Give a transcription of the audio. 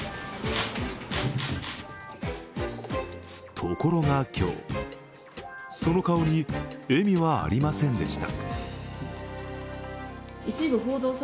ところが今日、その顔に笑みはありませんでした。